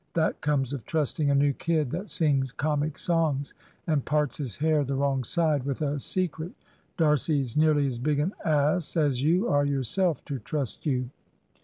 That comes of trusting a new kid, that sings comic songs, and parts his hair the wrong side, with a secret. D'Arcy's nearly as big an ass as you are yourself, to trust you."